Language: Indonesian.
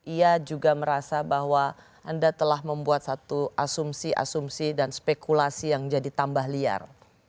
ia juga merasa bahwa anda telah membuat satu asumsi asumsi dan spekulasi yang jadi tambah liar